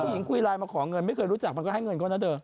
หญิงคุยไลน์มาขอเงินไม่เคยรู้จักมันก็ให้เงินเขานะเธอ